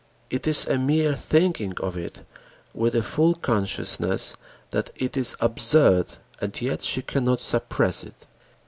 It is a mere thinking of it with a full consciousness that it is absurd, and yet she cannot suppress it.